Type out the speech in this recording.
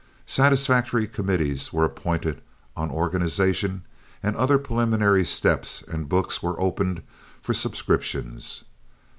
Satisfactory committees were appointed on organization and other preliminary steps, and books were opened for subscriptions.